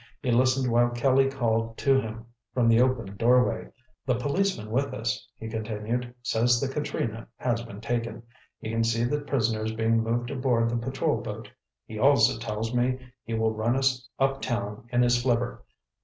He listened while Kelly called to him from the open doorway. "The policeman with us," he continued, "says the Katrina has been taken. He can see the prisoners being moved aboard the patrol boat. He also tells me he will run us up town in his flivver.